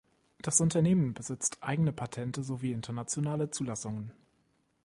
Das Unternehmen besitzt eigene Patente sowie internationale Zulassungen.